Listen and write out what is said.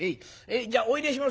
じゃあお入れしますよ。